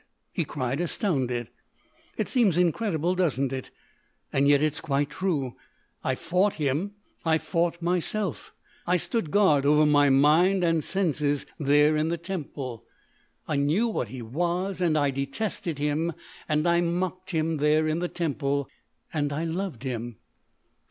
he cried, astounded. "It seems incredible, doesn't it? Yet it is quite true. I fought him; I fought myself; I stood guard over my mind and senses there in the temple; I knew what he was and I detested him and I mocked him there in the temple.... And I loved him."